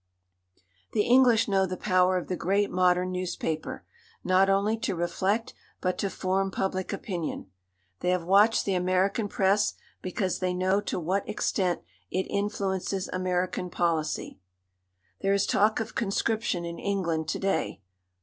The English know the power of the great modern newspaper, not only to reflect but to form public opinion. They have watched the American press because they know to what extent it influences American policy. There is talk of conscription in England to day.